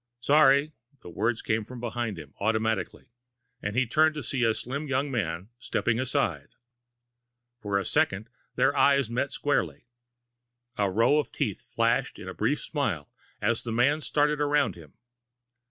"Sorry." The words came from behind him, automatically, and he turned to see the slim young man stepping aside. For a second, their eyes met squarely. A row of teeth flashed in a brief smile as the man started around him.